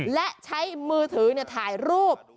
และใช้มือถือถ่ายรูป